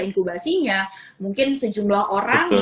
inkubasinya mungkin sejumlah orang